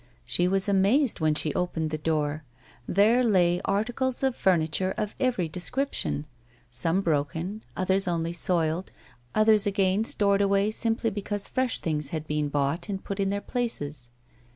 She was amazed when she opened the door ; there lay articles of furniture of every description, some broken, others only soiled, others again stored away simply because fresh things had been bought and put in their places.